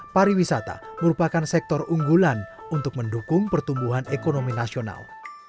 pariwisata merupakan sektor unggulan untuk mendukung pertumbuhan ekonomi nasional